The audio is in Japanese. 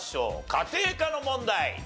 家庭科の問題。